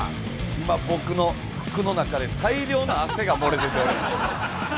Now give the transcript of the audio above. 今僕の服の中で大量の汗が漏れ出ております。